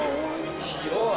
広い。